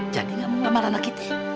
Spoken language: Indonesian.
jadi gak mau ngamal anak kita